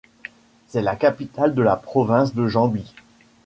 C'est la capitale de la province de Jambi.